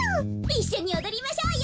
いっしょにおどりましょうよ！